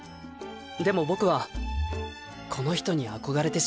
でも僕はこの人に憧れてしまった。